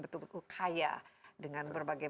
betul betul kaya dengan berbagai